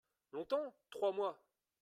Longtemps ? Trois mois.